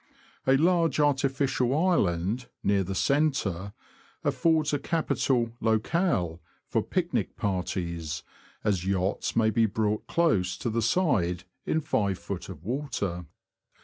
A large artificial island, near the centre, affords a capital locale for picnic parties, as yachts may be brought close to the side in 5ft. of water.